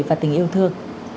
và tình yêu thương